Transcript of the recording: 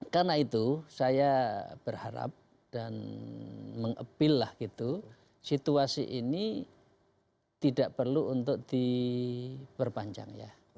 karena itu saya berharap dan meng e pill situasi ini tidak perlu untuk diperpanjang